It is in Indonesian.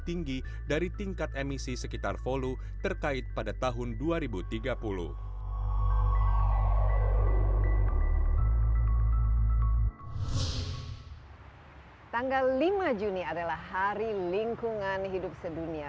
tanggal lima juni adalah hari lingkungan hidup sedunia